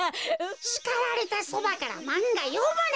しかられたそばからまんがよむな。